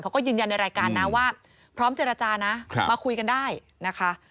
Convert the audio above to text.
เขาก็ยืนยันในรายการนะว่าพร้อมเจรจานะมาคุยกันได้นะคะ